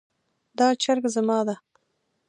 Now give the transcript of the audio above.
دا چرګ زما ده